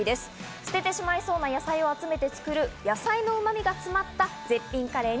捨ててしまいそうな野菜を集めて作る野菜のうま味が詰まった絶品カレーに。